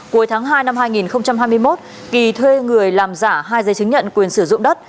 cuối tháng hai năm hai nghìn hai mươi một kỳ thuê người làm giả hai giấy chứng nhận quyền sử dụng đất